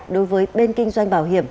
đối với bên kinh doanh bảo hiểm